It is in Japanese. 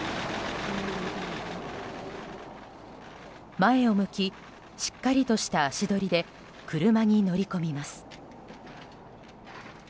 前を向きしっかりとした足取りで車に乗り込みます。